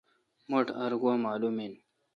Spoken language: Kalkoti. مٹھ ار گوا معلوم این۔